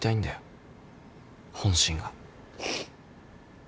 本心が。